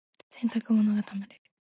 洗濯物が溜まる。